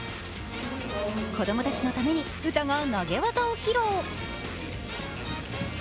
子供たちのために詩が投げ技を披露。